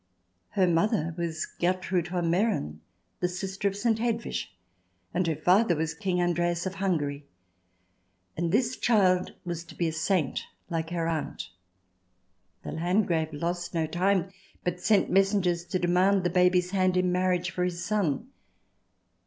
Her mother was Gertrude von Meran, the sister of St. Hedwig, and her father was King Andreas of Hungary. And this child was to be a saint, like CH. XI] LANDGRAFIN AND CONFESSOR 155 her aunt. The Landgrave lost no time, but sent messengers to demand the baby's hand in marriage for his son.